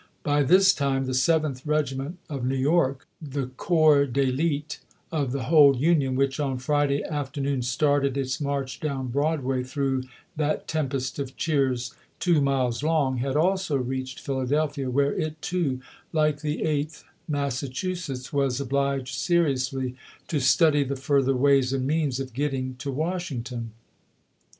By this time the Seventh regiment of New York — the corps d^ elite of the whole Union, which on Friday after noon started its march down Broadway " through that tempest of cheers two miles long" — had also reached Philadelphia, where it too, like the Eighth Massachusetts, was obliged seriously to study the further ways and means of getting to Washington.